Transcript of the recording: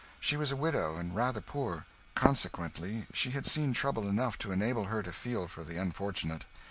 She was a widow, and rather poor; consequently she had seen trouble enough to enable her to feel for the unfortunate.